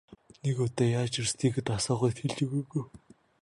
Нэг удаа яаж ирснийг нь асуухад хэлж өгөөгүй.